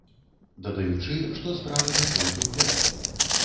Дадаючы, што справа не толькі ў гэтым.